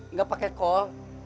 nggak pakai kol